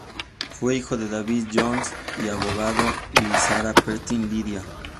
Fue hijo de David Jones, abogado, y de Sarah Shephard Lidia.